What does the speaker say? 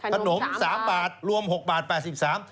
ขนม๓บาทรวม๖บาท๘๓บาท